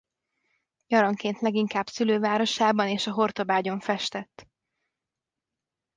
Nyaranként leginkább szülővárosában és a Hortobágyon festett.